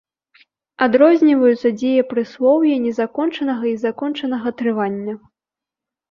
Адрозніваюцца дзеепрыслоўі незакончанага і закончанага трывання.